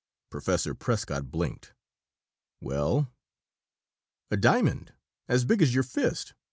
Professor Prescott blinked. "Well?" "A diamond. As big as your fist!